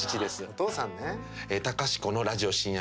お父さんね。